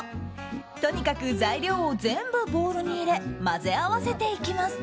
とにかく材料を全部ボウルに入れ混ぜ合わせていきます。